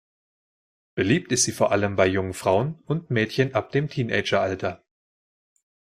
Beliebt ist sie vor allem bei jungen Frauen und Mädchen ab dem Teenager-Alter.